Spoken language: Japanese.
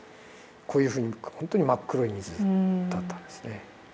こういうふうに本当に真っ黒い水だったんですね。